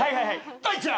大ちゃん！